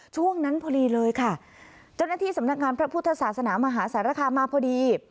ช่วงนั้นพอดีเลยค่ะเจ้าหน้าที่สำนักงานพระพุทธศาสนามหาสารคามมาพอดี